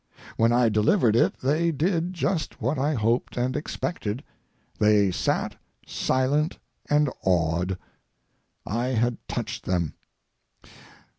When I delivered it they did just what I hoped and expected. They sat silent and awed. I had touched them.